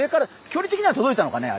距離的には届いたのかね？